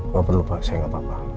nggak perlu pak saya gak apa apa